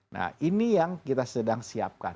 nah ini yang kita sedang siapkan